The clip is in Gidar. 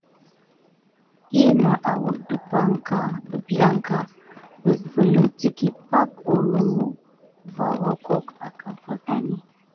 Hina awək dabiaŋ va anməs nasvaɗé ɗayɗay, lumu bo wavoŋ əmpahé.